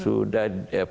sudah padam semua